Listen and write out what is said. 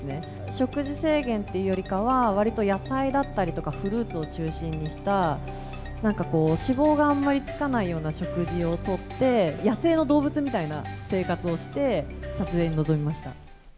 食事制限っていうよりかは、わりと野菜だったりとか、フルーツを中心にした、なんかこう、脂肪があんまりつかないような食事をとって、野生の動物みたいな生活をして、撮影に臨みました。